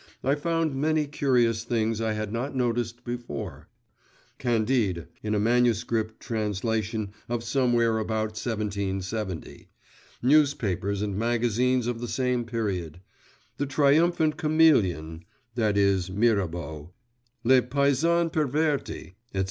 I found many curious things I had not noticed before: Candide, in a manuscript translation of somewhere about 1770; newspapers and magazines of the same period; the Triumphant Chameleon (that is, Mirabeau), le Paysan Perverti, etc.